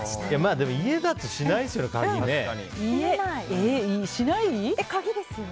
でも、家だとしないですよね。